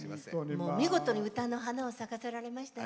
見事に歌の花を咲かせられましたね。